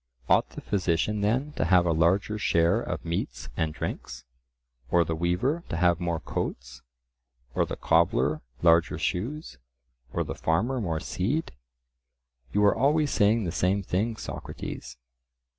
Ought the physician then to have a larger share of meats and drinks? or the weaver to have more coats, or the cobbler larger shoes, or the farmer more seed? "You are always saying the same things, Socrates."